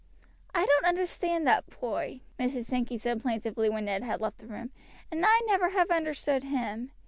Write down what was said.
"I don't understand that boy," Mrs. Sankey said plaintively when Ned had left the room, "and I never have understood him.